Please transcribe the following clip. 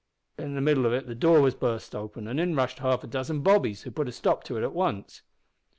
In the middle of it the door was burst open, an' in rushed half a dozen bobbies, who put a stop to it at once.